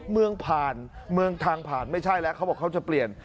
เมืองผ่านเมืองทางผ่านไม่ใช่แล้วเขาบอกเขาจะเปลี่ยน